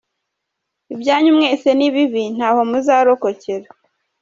Ibyanyu mwese ni bibi ntaho muzarokokera.